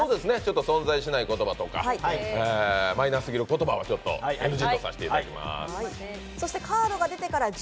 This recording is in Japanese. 存在しない言葉とかマイナーすぎる言葉はＮＧとさせていただきます。